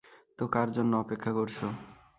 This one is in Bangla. তো কার জন্য অপেক্ষা করছ?